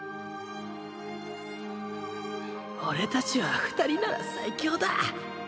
俺たちは２人なら最強だ